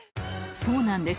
そうなんです